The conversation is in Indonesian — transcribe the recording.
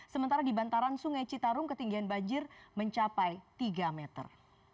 sementara di bantaran sungai citarum ketinggian banjir mencapai tiga meter